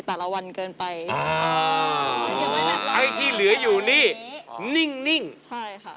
แต่ละวันเกินไปอ่าไอ้ที่เหลืออยู่นี่นิ่งนิ่งใช่ค่ะ